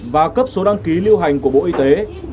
và cấp số đăng ký lưu hành của bộ y tế